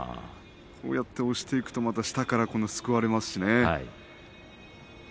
押していくと下からすくわれますしね。